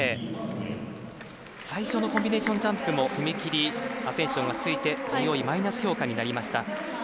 最初のコンビネーションジャンプの踏み切り、アテンションがついてＧＯＥはマイナス評価になりました。